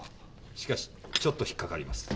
しかしちょっと引っかかります。